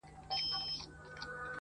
خلک بيا بحث شروع کوي ډېر,